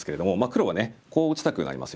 黒はねこう打ちたくなりますよね。